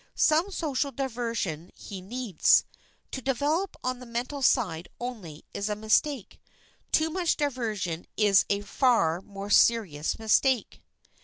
Some social diversion he needs. To develop on the mental side only is a mistake. Too much diversion is a far more serious mistake.